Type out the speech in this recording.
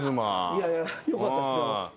いやいやよかったです。